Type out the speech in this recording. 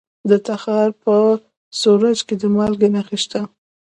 د تخار په ورسج کې د مالګې نښې شته.